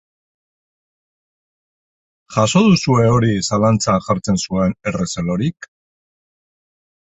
Jaso duzue hori zalantzan jartzen zuen errezelorik?